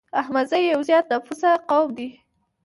احمدزي يو زيات نفوسه قوم دی